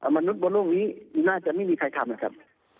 มนุษย์บนโลกนี้น่าจะไม่มีใครทำนะครับ